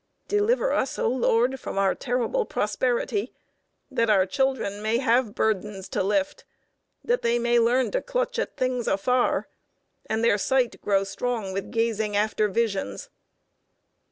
"Deliver us, O Lord! from our terrible prosperity," that our children may have burdens to lift, that they may learn to clutch at things afar, and their sight grow strong with gazing after visions.